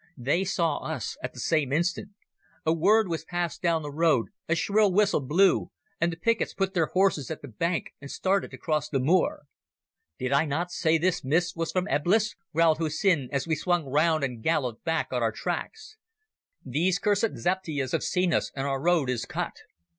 They saw us at the same instant. A word was passed down the road, a shrill whistle blew, and the pickets put their horses at the bank and started across the moor. "Did I not say this mist was from Eblis?" growled Hussin, as we swung round and galloped back on our tracks. "These cursed Zaptiehs have seen us, and our road is cut."